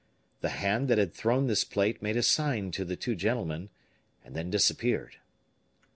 The hand that had thrown this plate made a sign to the two gentlemen, and then disappeared.